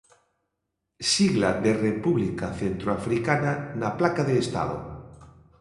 Sigla de República Centroafricana na placa de estado.